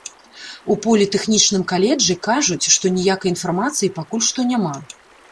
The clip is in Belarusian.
У політэхнічным каледжы кажуць, што ніякай інфармацыі пакуль што няма.